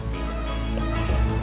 dan dibawa ke kantor polisi